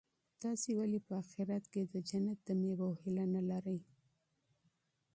تاسي ولي په اخیرت کي د جنت د مېوو هیله نه لرئ؟